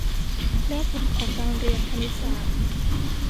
แล้วผลของการเรียนคณิตศาสตร์